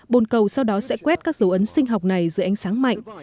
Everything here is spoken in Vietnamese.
bồn cầu sau đó sẽ quét các dấu ấn sinh học này dưới ánh sáng mạnh